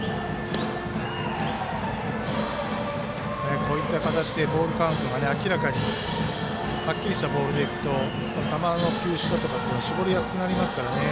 こういった形でボールカウントが明らかにはっきりしたボールでいくと球の球種だとかが絞りやすくなりますからね。